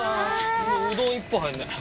もううどん１本入んない。